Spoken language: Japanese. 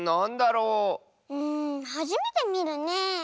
うんはじめてみるねえ。